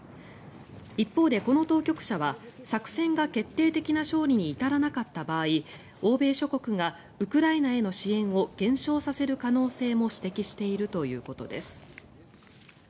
一方で、この当局者は作戦が決定的な勝利に至らなかった場合欧米諸国がウクライナへの支援を減少させる可能性も指摘しているということです。